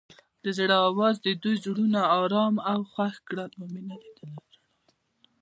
د زړه اواز د دوی زړونه ارامه او خوښ کړل.